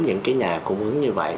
những cái nhà cung ứng như vậy